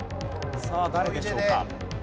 さあ誰でしょうか？